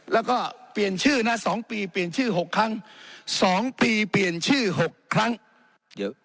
แล้วก็เปลี่ยนชื่อนะ๒ปีเปลี่ยนชื่อ๖ครั้ง๒ปีเปลี่ยนชื่อ๖ครั้งเดี๋ยว